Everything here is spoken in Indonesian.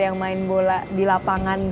yang main bola di lapangan